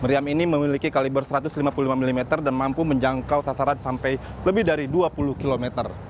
meriam ini memiliki kaliber satu ratus lima puluh lima mm dan mampu menjangkau sasaran sampai lebih dari dua puluh km